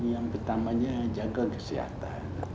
yang pertamanya jaga kesehatan